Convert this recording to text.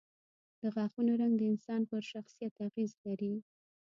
د غاښونو رنګ د انسان پر شخصیت اغېز لري.